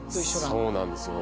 そうなんですよ。